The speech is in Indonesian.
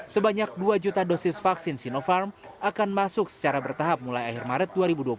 sebanyak dua juta dosis vaksin sinopharm akan masuk secara bertahap mulai akhir maret dua ribu dua puluh satu